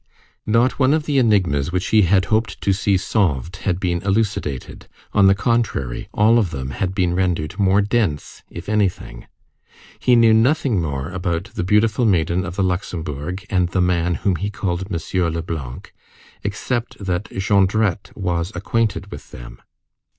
Not one of the enigmas which he had hoped to see solved had been elucidated; on the contrary, all of them had been rendered more dense, if anything; he knew nothing more about the beautiful maiden of the Luxembourg and the man whom he called M. Leblanc, except that Jondrette was acquainted with them.